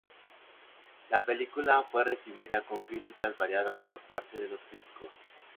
La película fue recibida con críticas variadas por parte de los críticos.